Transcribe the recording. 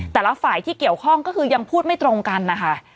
แต่ละฝ่ายที่เกี่ยวข้องก็คือยังพูดไม่ตรงกันนะคะ